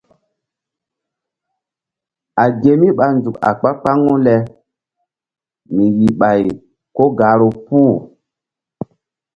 A ge mí ɓa nzuk a kpa-kpaŋu le mi yih ɓay ko gahru puh.